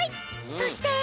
そして。